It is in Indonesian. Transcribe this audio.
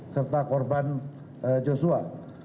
serta korban joshua